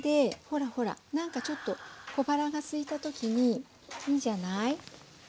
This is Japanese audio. ほらほら何かちょっと小腹がすいた時にいいじゃない？